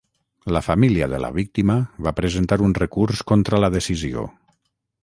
La família de la víctima va presentar un recurs contra la decisió.